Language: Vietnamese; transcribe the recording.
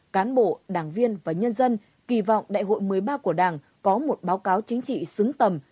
cán bộ đảng viên và nhân dân kỳ vọng đại hội một mươi ba của đảng có một báo cáo chính trị xứng tầm